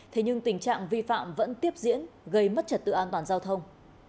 thế nhưng tình trạng vi phạm vẫn tiếp diễn gây mất trật tự an toàn giao thông